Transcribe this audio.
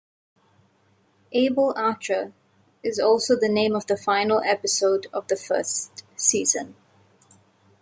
Able Archer is also the name of the final episode of the first season.